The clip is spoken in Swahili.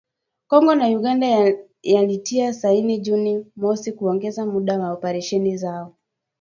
Kongo na Uganda yalitia saini Juni mosi kuongeza muda wa operesheni zao